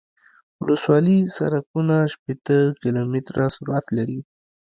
ولسوالي سرکونه شپیته کیلومتره سرعت لري